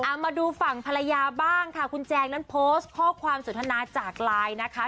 เอามาดูฝั่งภรรยาบ้างค่ะคุณแจงนั้นโพสต์ข้อความสนทนาจากไลน์นะคะ